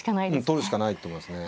取るしかないと思いますね。